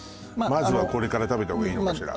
まずはこれから食べた方がいいのかしら？